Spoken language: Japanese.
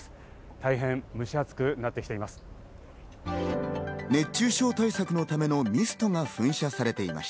大変、蒸し暑くなってきています。